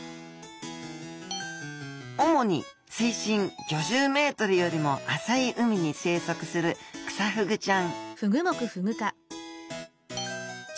主に水深５０ｍよりも浅い海に生息するクサフグちゃん。